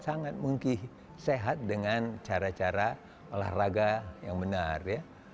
sangat mungkin sehat dengan cara cara olahraga yang benar ya